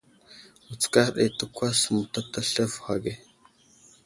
Wutskar ɗi təkwas mətatasl avohw age.